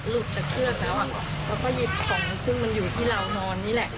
หลุดจากเสื้อแล้วแล้วก็หยิบของซึ่งมันอยู่ที่เรานอนนี่แหละ